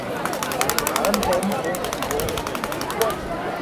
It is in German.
Arnhem und Groningen.